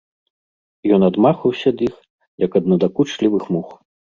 Ён адмахваўся ад іх, як ад надакучлівых мух.